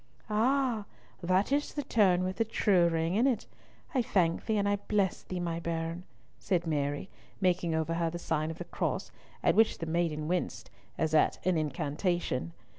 "Ah! that is the tone with the true ring in it. I thank thee and I bless thee, my bairn," said Mary, making over her the sign of the cross, at which the maiden winced as at an incantation.